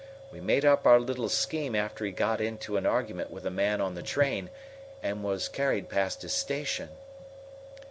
We made up our little scheme after he got into an argument with a man on the train and was carried past his station."